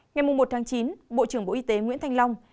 ngày một chín bộ trưởng bộ y tế nguyễn thanh long